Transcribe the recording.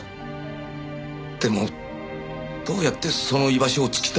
でもどうやってその居場所を突き止めたのか。